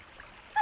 あ。